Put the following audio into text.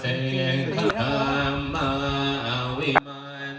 พี่อ๋อสวยมากสวยจริง